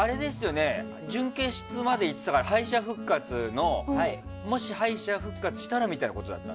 準決勝まで行ってたからもし敗者復活したらみたいなことだったの？